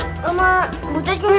sama putet ke